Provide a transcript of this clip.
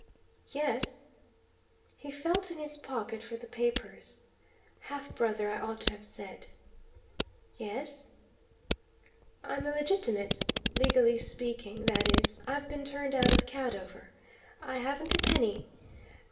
"Yes?" He felt in his pocket for the papers. "Half brother I ought to have said." "Yes?" "I'm illegitimate. Legally speaking, that is, I've been turned out of Cadover. I haven't a penny.